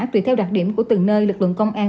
tùy theo đặc điểm của từng nơi lực lượng công an